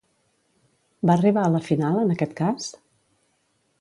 Va arribar a la final, en aquest cas?